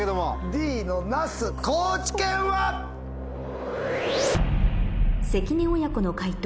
「Ｄのなす高知県」は⁉関根親子の解答